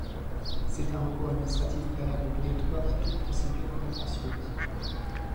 C'est un recours administratif préalable obligatoire à toute procédure contentieuse.